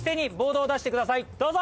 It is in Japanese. どうぞ！